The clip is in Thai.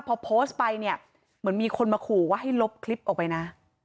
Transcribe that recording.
พอโพสต์ไปเนี่ยเหมือนมีคนมาขู่ว่าให้ลบคลิปออกไปนะ